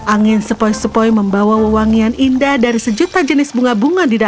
angin sepoi sepoi membawa wangian indah dari sinar matahari